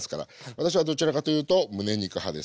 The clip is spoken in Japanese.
私はどちらかというとむね肉派です。